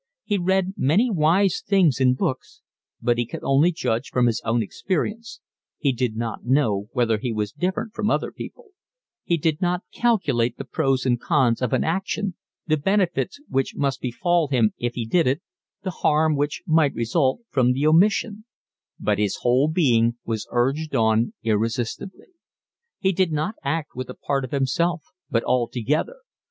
He read many wise things in books, but he could only judge from his own experience (he did not know whether he was different from other people); he did not calculate the pros and cons of an action, the benefits which must befall him if he did it, the harm which might result from the omission; but his whole being was urged on irresistibly. He did not act with a part of himself but altogether.